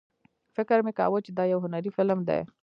فکر مې کاوه چې دا یو هنري فلم دی.